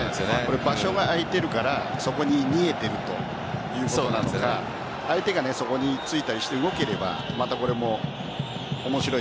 場所が空いているからそこに逃げているということなんですが相手がそこについたりして動ければまた面白い。